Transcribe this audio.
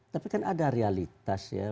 tapi kan ada realitas ya